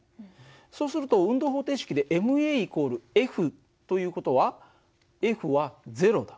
そうすると運動方程式でｍａ＝Ｆという事はＦは０だ。